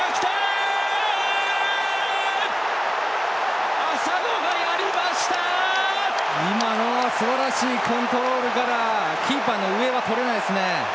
すばらしいコントロールからキーパーの上はとれないですね。